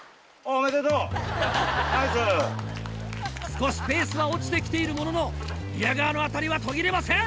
少しペースは落ちてきているものの宮川の当たりは途切れません！